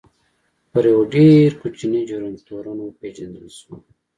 پر یوه ډېر کوچني جرم تورن وپېژندل شو.